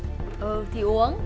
ừ thì uống